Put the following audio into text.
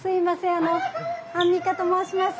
あのアンミカと申します。